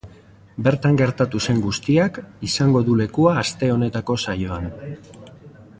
Bertan gertatu zen guztiak izango du lekua aste honetako saioan.